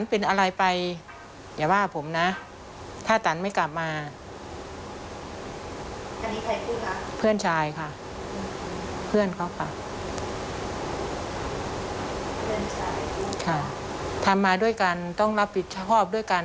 เพื่อนชายค่ะค่ะทำมาด้วยกันต้องรับผิดชอบด้วยกัน